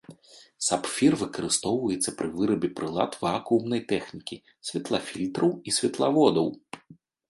Сапфір выкарыстоўваецца пры вырабе прылад вакуумнай тэхнікі, святлафільтраў і святлаводаў.